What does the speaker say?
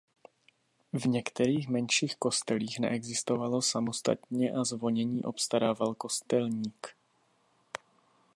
V některých menších kostelích neexistovalo samostatně a zvonění obstarával kostelník.